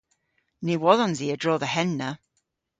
Ny wodhons i a-dro dhe henna.